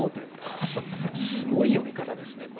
すごい呼び方ですね、これ。